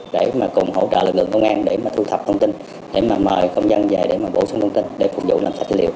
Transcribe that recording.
để cùng hỗ trợ lực lượng công an để thu thập thông tin để mời công dân về để bổ sung thông tin để phục vụ làm sạch dữ liệu